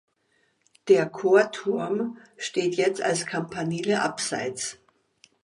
Der Chorturm steht jetzt als Campanile abseits.